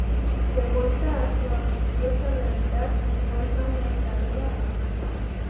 De vuelta en su angustiosa realidad, encuentra una escalera y sube.